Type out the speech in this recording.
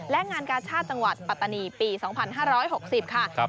และงานการชาติจังหวัดปัตตานีปีสองพันห้าร้อยหกสิบค่ะครับ